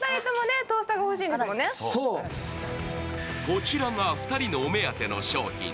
こちらが２人のお目当ての商品。